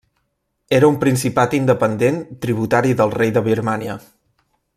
Era un principat independent tributari del rei de Birmània.